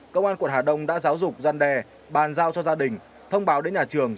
công an quận hà đông đã giáo dục gian đe bàn giao cho gia đình thông báo đến nhà trường